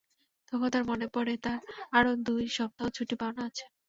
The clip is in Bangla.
তখন তাঁর মনে পড়ে, তাঁর আরও দুই সপ্তাহ ছুটি পাওনা আছে।